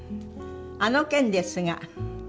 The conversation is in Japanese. あの件ですが」